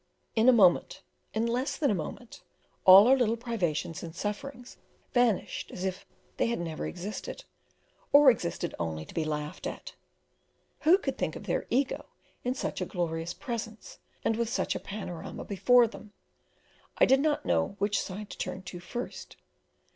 In a moment, in less than a moment, all our little privations and sufferings vanished as if they had never existed, or existed only to be laughed at. Who could think of their "Ego" in such a glorious presence, and with such a panorama before them? I did not know which side to turn to first.